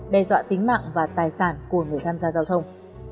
đe dọa tính mạng và tài sản của người tham gia giao thông